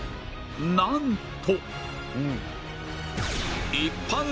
なんと